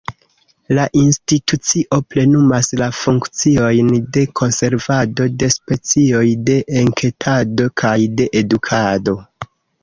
La institucio plenumas la funkciojn de konservado de specioj, de enketado kaj de edukado.